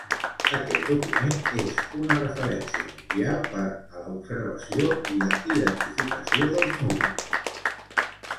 Aquest document és una referència mundial per a l'observació i la identificació dels núvols.